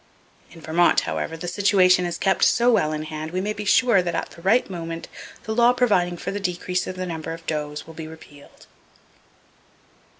In Vermont, however, the situation is kept so well in hand we may be sure that at the right moment the law providing for the decrease of the number of does will be repealed.